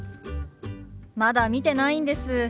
まだ見てないんです。